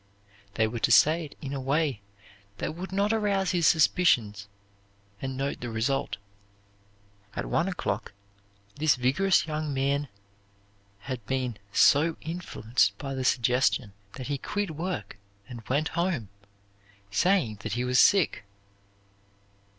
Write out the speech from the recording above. They were to say it in a way that would not arouse his suspicions, and note the result. At one o'clock this vigorous young man had been so influenced by the suggestion that he quit work and went home, saying that he was sick.